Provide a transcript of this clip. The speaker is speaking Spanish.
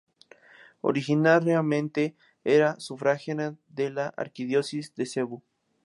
Originariamente era sufragánea de la Arquidiócesis de Cebú.